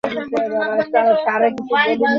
কোন অংশে বিস্ফোরণ ঘটিয়েছিলে?